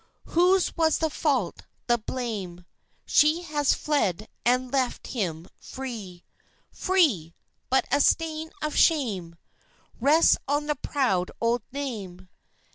Whose was the fault, the blame? She has fled and left him free, Free! but a stain of shame Rests on the proud old name.